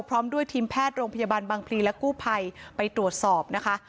พร้อมด้วยทีมแพทย์โรงพยาบาลบางพลีและกู้ภัยไปตรวจสอบนะคะ